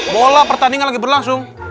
bola pertandingan lagi berlangsung